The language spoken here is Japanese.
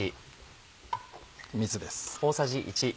水です。